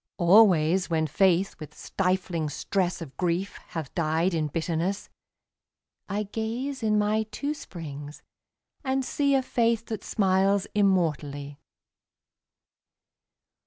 Always when Faith with stifling stress Of grief hath died in bitterness, I gaze in my two springs and see A Faith that smiles immortally.